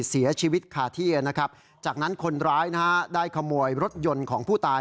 เสียชีวิตคาที่นะครับจากนั้นคนร้ายนะฮะได้ขโมยรถยนต์ของผู้ตาย